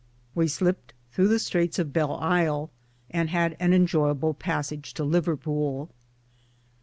We slipped through the straits of Belle Isle and had an enjoyable passage to Liverpool.